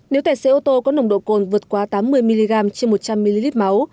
nếu tài xế ô tô có nồng độ cồn vượt quá tám mươi mg trên một trăm linh ml máu